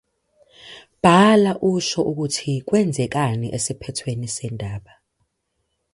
Bhala usho ukuthi kwenzekani esiphethweni sendaba.